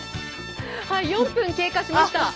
はい４分経過しました。